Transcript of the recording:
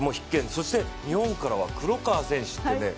そして日本からは黒川選手